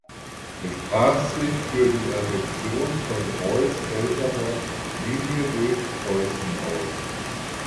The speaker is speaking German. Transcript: Er sprach sich für die Annexion von Reuß älterer Linie durch Preußen aus.